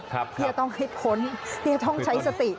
ที่จะต้องให้พ้นที่จะต้องใช้สติ